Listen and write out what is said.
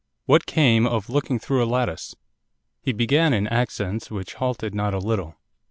WHAT CAME OF LOOKING THROUGH A LATTICE He began in accents which halted not a little.